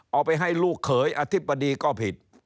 เอาไปให้ลูกเขยอธิบดีก็ผิด